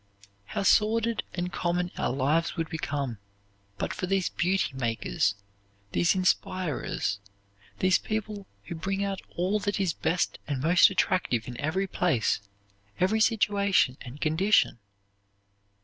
How sordid and common our lives would become but for these beauty makers, these inspirers, these people who bring out all that is best and most attractive in every place, every situation and condition!